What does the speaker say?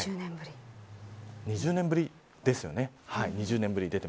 ２０年ぶりですよね。